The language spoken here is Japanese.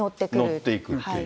乗っていくっていう。